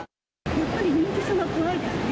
やっぱり認知症は怖いですね。